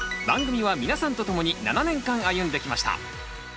番組は皆さんと共に７年間歩んできました。